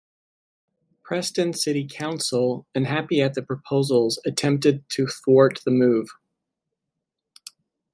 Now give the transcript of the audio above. Preston City Council, unhappy at the proposals, attempted to thwart the move.